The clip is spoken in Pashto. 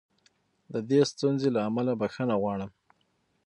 د دې ستونزې له امله بښنه غواړم.